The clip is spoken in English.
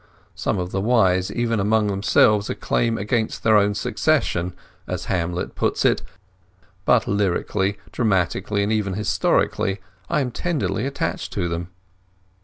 Some of the wise even among themselves 'exclaim against their own succession,' as Hamlet puts it; but lyrically, dramatically, and even historically, I am tenderly attached to them."